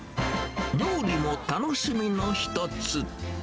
料理も楽しみの一つ。